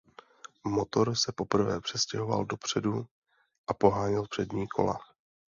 Motor se poprvé přestěhoval dopředu a poháněl přední kola.